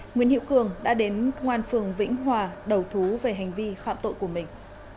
nguyễn hiệu cường đã đến ngoan phường vĩnh hòa đầu thú về hành vi khạm tội của mình